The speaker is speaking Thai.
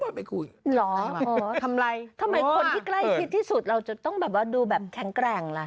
ทำไมคนที่ใกล้ที่สุดเราต้องดูแบบแข็งแกล่งฮะ